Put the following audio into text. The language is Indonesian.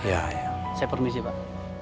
saya permisi pak